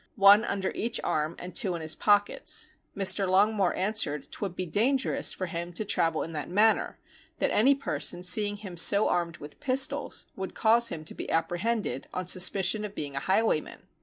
one under each arm, and two in his pockets. Mr. Longmore answered, 'twould be dangerous for him to travel in that manner; that any person seeing him so armed with pistols, would cause him to be apprehended on suspicion of being a highwayman.